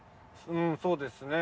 うんそうですね。